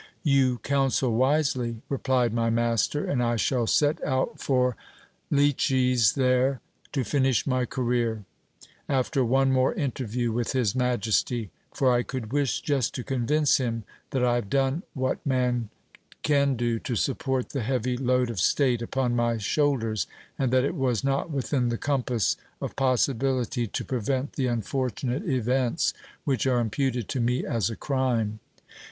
You counsel wisely, replied my master, and I shall set out for Loeches, there to finish my career, after one more interview with his majesty : for I could wish just to convince him that I have done what man can do to support the heavy load of state upon my shoulders, and that it was not within the compass of possibility to prevent the unfortunate events which are imputed to me as a crime.